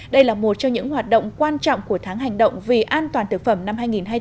đây là một trong những hoạt động quan trọng của tháng hành động vì an toàn thực phẩm năm hai nghìn hai mươi bốn